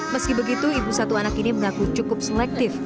meski begitu ibu satu anak ini mengaku cukup selektif